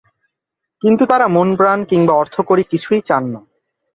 কিন্তু তাঁরা মনপ্রাণ কিংবা অর্থকড়ি কিছুই চান না।